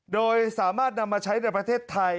โดยสามารถนำมาใช้ในประเทศไทย